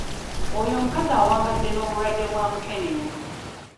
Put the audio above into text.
Oyo omukazi awangadde n'obulwadde bwa mukenenya.